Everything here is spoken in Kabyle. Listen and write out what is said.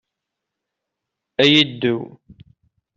Ay iddew!